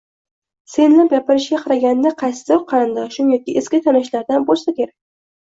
Senlab gapirishiga qaraganda qaysidir qarindoshim yoki eski tanishlardan bo`lsa kerak